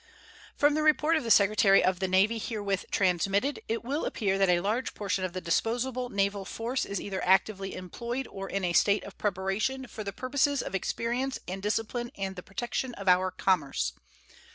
From the report of the Secretary of the Navy herewith transmitted it will appear that a large portion of the disposable naval force is either actively employed or in a state of preparation for the purposes of experience and discipline and the protection of our commerce.